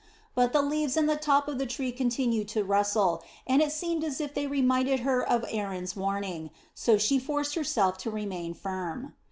But the leaves in the top of the tree continued to rustle and it seemed as if they reminded her of Aaron's warning, so she forced herself to remain firm.